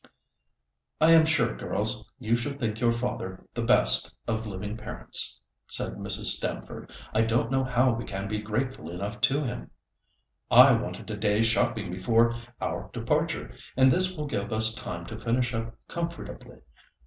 "I am sure, girls, you should think your father the best of living parents," said Mrs. Stamford. "I don't know how we can be grateful enough to him. I wanted a day's shopping before our departure, and this will give us time to finish up comfortably.